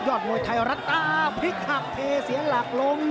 มวยไทยรัฐตาพลิกหักเทเสียหลักล้ม